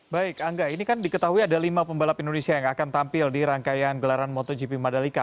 baik angga ini kan diketahui ada lima pembalap indonesia yang akan tampil di rangkaian gelaran motogp madalika